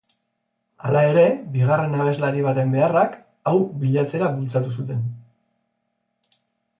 Hala ere, bigarren abeslari baten beharrak, hau bilatzera bultzatu zuten.